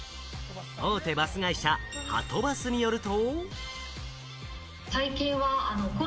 大手バス会社・はとバスによると。